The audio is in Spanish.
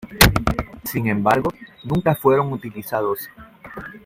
Sin embargo, nunca fueron utilizados.